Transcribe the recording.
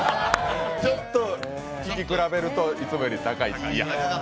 ちょっと聞き比べるといつもより高い。